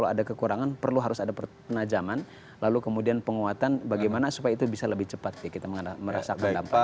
jadi kekurangan perlu harus ada penajaman lalu kemudian penguatan bagaimana supaya itu bisa lebih cepat ya kita merasakan dampak